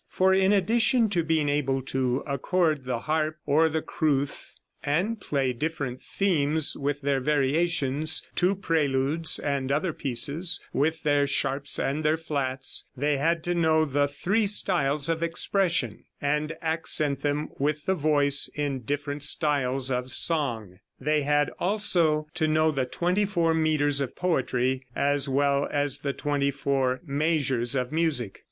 For, in addition to being able to accord the harp or the crwth, and play different themes with their variations, two preludes and other pieces "with their sharps and their flats," they had to know the "three styles of expression," and accent them with the voice in different styles of song. They had also to know the twenty four meters of poetry as well as the "twenty four measures of music."